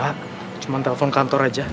pak cuman telepon kantor aja